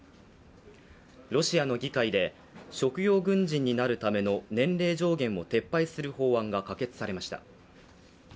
ロシアの議会で、職業軍人になるための年齢上限を撤廃する法案が可決されました。